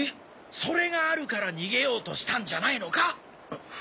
それがあるから逃げようとしたんじゃないのか？